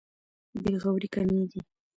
بې غوري کمېږي.